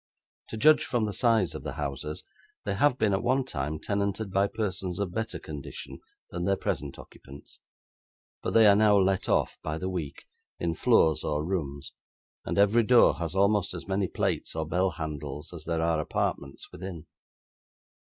To judge from the size of the houses, they have been, at one time, tenanted by persons of better condition than their present occupants; but they are now let off, by the week, in floors or rooms, and every door has almost as many plates or bell handles as there are apartments within.